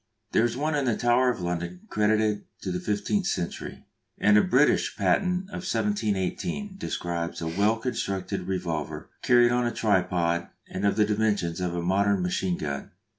There is one in the Tower of London credited to the fifteenth century, and a British patent of 1718 describes a well constructed revolver carried on a tripod and of the dimensions of a modern machine gun.